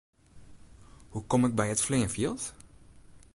Hoe kom ik by it fleanfjild?